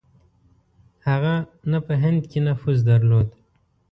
هغه نه په هند کې نفوذ درلود.